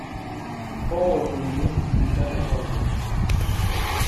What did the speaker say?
Fou el primer músic invitat a Hollywood.